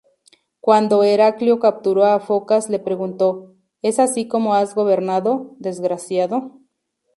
Cuando Heraclio capturó a Focas le preguntó, ""¿Es así como has gobernado, desgraciado?